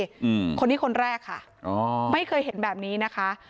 อืมคนนี้คนแรกค่ะอ๋อไม่เคยเห็นแบบนี้นะคะ